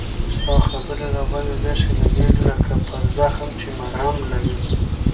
ستا خبري را باندي داسی لګیږي لکه پر زخم چې مرهم لګوې